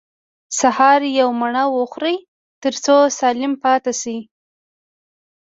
هر سهار يوه مڼه وخورئ، تر څو سالم پاته سئ.